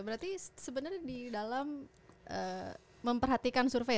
berarti sebenarnya di dalam memperhatikan survei ya